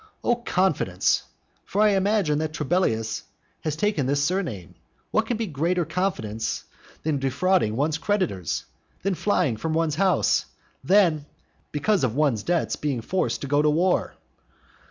Oh confidence! for I imagine that Trebellius has taken this surname, what can be greater confidence than defrauding one's creditors? than flying from one's house? than, because of one's debts, being forced to go to war?